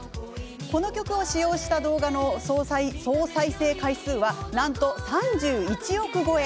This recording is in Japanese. この曲を使用した動画の総再生回数はなんと３１億超え。